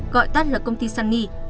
gọi tắt là công ty sunny